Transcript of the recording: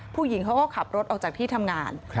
ผู้หญิงเขาก็ขับรถออกจากที่ทำงาน